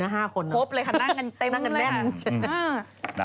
ครบเลยค่ะนั่งกันเต็มแล้ว